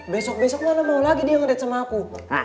besok besok mana mau lagi dia ngelihat sama aku